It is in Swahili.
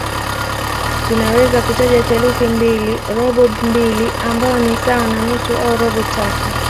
Tunaweza kutaja theluthi mbili, robo mbili ambayo ni sawa na nusu au robo tatu.